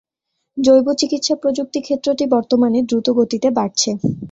জৈব চিকিৎসা প্রযুক্তি ক্ষেত্রটি বর্তমানে দ্রুত গতিতে বাড়ছে।